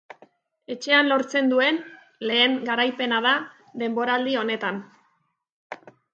Etxean lortzen duen lehen garaipena da denboraldi honetan.